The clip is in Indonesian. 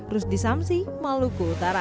rusdi samsi maluku utara